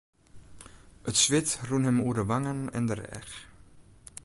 It swit rûn him oer de wangen en de rêch.